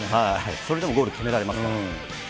それでもゴール決められますから。